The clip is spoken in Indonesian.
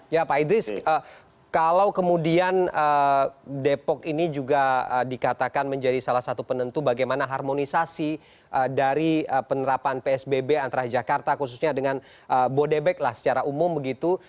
ya pak idris kalau kemudian depok ini juga dikatakan menjadi salah satu penentu bagaimana harmonisasi dari penerapan psbb antara jakarta khususnya dengan bodebek lah secara umum begitu